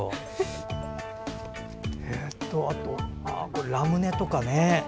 これ、ラムネとかね。